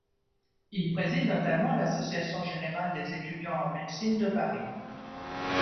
Il préside notamment l'Association générale des étudiants en Médecine de Paris.